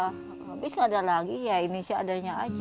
habis nggak ada lagi ya ini seadanya aja